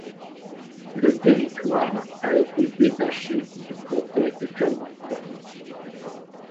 Le territoire a été détaché du comté de Culpeper.